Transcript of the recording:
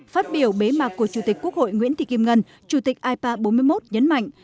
phát biểu bế mạc của chủ tịch quốc hội nguyễn thị kim ngân chủ tịch ipa bốn mươi một nhấn mạnh